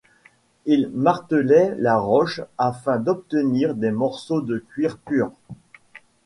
Ils martelaient la roche afin d'obtenir des morceaux de cuivre pur.